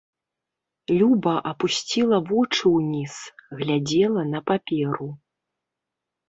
Люба апусціла вочы ўніз, глядзела на паперу.